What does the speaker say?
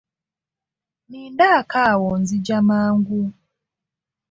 Nnindaako awo nzija mangu.